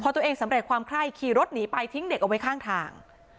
ตัวเองสำเร็จความไคร้ขี่รถหนีไปทิ้งเด็กเอาไว้ข้างทาง